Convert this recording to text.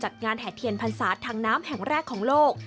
จัดงานแห่เทียนพรรษาทางน้ำแห่งแรกของโลก